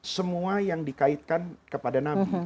semua yang dikaitkan kepada nabi